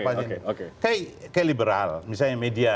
kayak liberal misalnya media